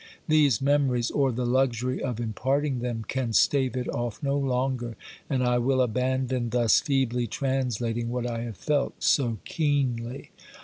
These memories, or the luxury of imparting them, can stave it off no longer, and I will abandon thus feebly translating what I have felt so keenly.